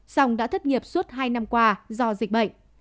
song đã thất nghiệp suốt hai năm qua do dịch bệnh